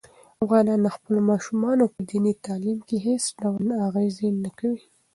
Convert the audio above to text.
افغانان د خپلو ماشومانو په دیني تعلیم کې هېڅ ډول ناغېړي نه کوي.